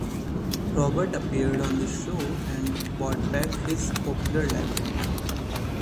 Robert appeared on the show and brought back his popular limerick.